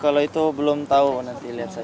kalau itu belum tahu nanti lihat saya